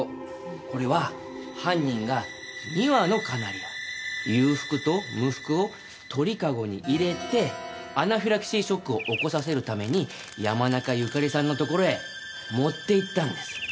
これは犯人が２羽のカナリア有覆と無覆を鳥籠に入れてアナフィラキシーショックを起こさせるために山中由佳里さんのところへ持って行ったんです。